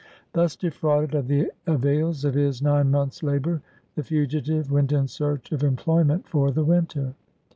Thus defrauded of the avails of his nine months' labor, the fugitive went in search of employment for the winter.